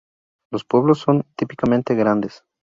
Los pueblos son típicamente grandes.